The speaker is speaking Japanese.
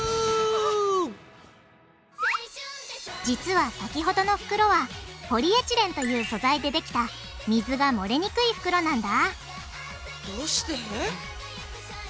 実は先ほどの袋はポリエチレンという素材でできた水がもれにくい袋なんだどうして？